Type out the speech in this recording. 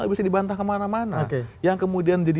partai atau orang katanya